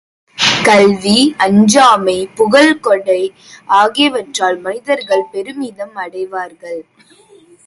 கல்வி, அஞ்சாமை, புகழ், கொடை ஆகியவற்றால் மனிதர்கள் பெருமிதம் அடைவார்கள்.